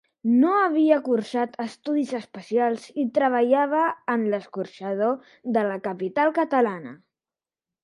No havia cursat estudis especials i treballava en l'escorxador de la capital catalana.